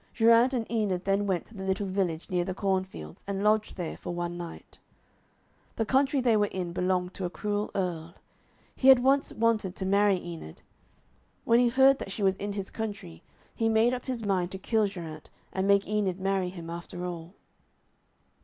Geraint and Enid then went to the little village near the cornfields, and lodged there for one night. The country they were in belonged to a cruel Earl. He had once wanted to marry Enid. When he heard that she was in his country, he made up his mind to kill Geraint, and make Enid marry him after all.